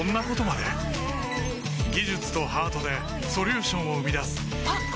技術とハートでソリューションを生み出すあっ！